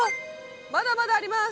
まだまだあります！